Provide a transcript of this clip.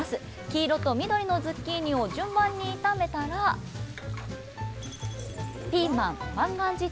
黄色と緑のズッキーニを順番に炒めたらピーマン万願寺